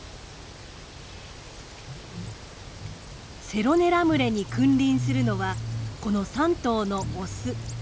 セロネラ群れに君臨するのはこの３頭のオス。